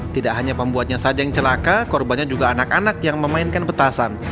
tidak hanya pembuatnya saja yang celaka korbannya juga anak anak yang memainkan petasan